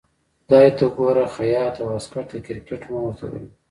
خدای ته ګوره خياطه واسکټ د کرکټ مه ورته ګنډه.